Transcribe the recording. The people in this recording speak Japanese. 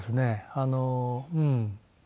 あのうん。